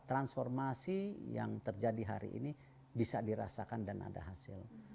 transformasi yang terjadi hari ini bisa dirasakan dan ada hasil